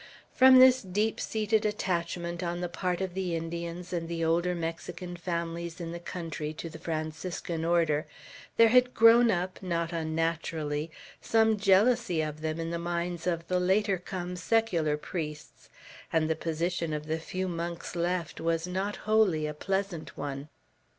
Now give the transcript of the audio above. From this deep seated attachment on the part of the Indians and the older Mexican families in the country to the Franciscan Order, there had grown up, not unnaturally, some jealousy of them in the minds of the later come secular priests, and the position of the few monks left was not wholly a pleasant one.